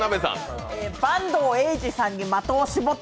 板東英二さんに的を絞った。